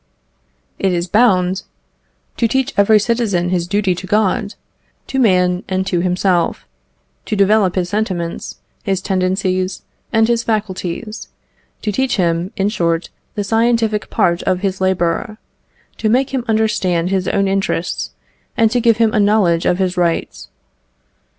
It is bound "To teach every citizen his duty to God, to man, and to himself; to develop his sentiments, his tendencies, and his faculties; to teach him, in short, the scientific part of his labour; to make him understand his own interests, and to give him a knowledge of his rights."